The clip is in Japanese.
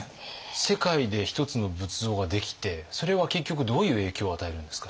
世界でひとつの仏像ができてそれは結局どういう影響を与えるんですか？